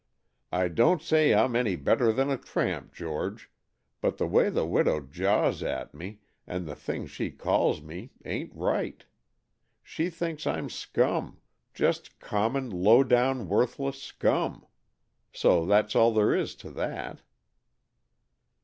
I don't say I'm any better than a tramp, George, but the way the widow jaws at me, and the things she calls me, ain't right. She thinks I'm scum just common, low down, worthless scum! So that's all there is to that."